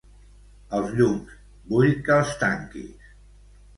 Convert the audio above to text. Els llums, vull que els tanquis.